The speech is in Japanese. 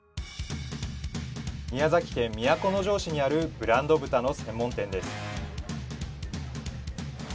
宮崎県都城市にあるブランド豚の専門店です